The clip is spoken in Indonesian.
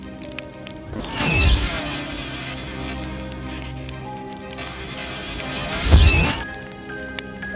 senangnya ana semakin mencantum kepadanya